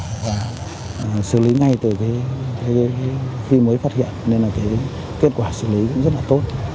và xử lý ngay từ khi mới phát hiện nên kết quả xử lý rất là tốt